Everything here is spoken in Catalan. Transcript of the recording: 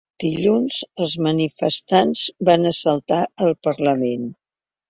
Dilluns, els manifestants van assaltar el parlament.